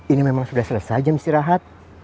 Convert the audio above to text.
ini memang sudah selesai jam istirahat